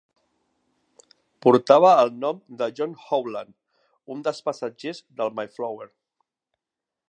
Portava el nom de John Howland, un dels passatgers del "Mayflower".